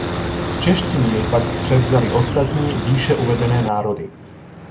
Z češtiny jej pak převzaly ostatní výše uvedené národy.